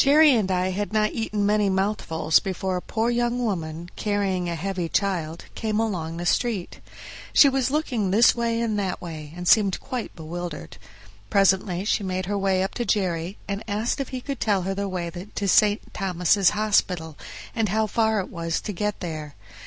Jerry and I had not eaten many mouthfuls before a poor young woman, carrying a heavy child, came along the street. She was looking this way and that way, and seemed quite bewildered. Presently she made her way up to Jerry and asked if he could tell her the way to St. Thomas' Hospital, and how far it was to get there.